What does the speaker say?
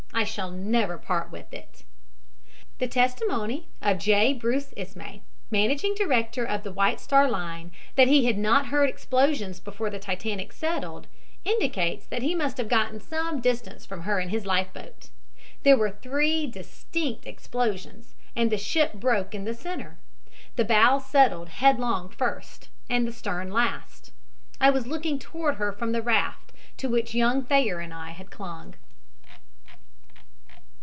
I shall never part with it. "The testimony of J. Bruce Ismay, managing director of the White Star Line, that he had not heard explosions before the Titanic settled, indicates that he must have gotten some distance from her in his life boat. There were three distinct explosions and the ship broke in the center. The bow settled headlong first, and the stern last. I was looking toward her from the raft to which young Thayer and I had clung."